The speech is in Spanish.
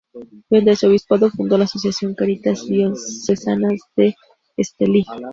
Durante su obispado fundó la Asociación Caritas Diocesanas de Estelí.